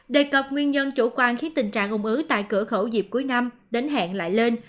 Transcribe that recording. đề cập nguyên nhân chủ quan khiến tình trạng ung ứ tại cửa khẩu dịp cuối năm đến hẹn lại lên